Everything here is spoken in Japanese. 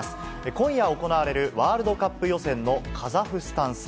今夜行われるワールドカップ予選のカザフスタン戦。